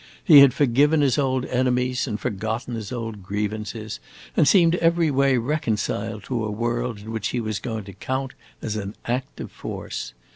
He had forgiven his old enemies and forgotten his old grievances, and seemed every way reconciled to a world in which he was going to count as an active force.